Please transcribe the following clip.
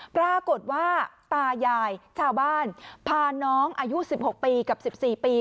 ปรากฏว่าตายายชาวบ้านพาน้องอายุ๑๖ปีกับ๑๔ปี